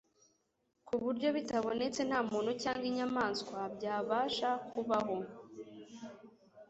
ku buryo bitabonetse nta muntu cyangwa inyamaswa byabasha kubaho.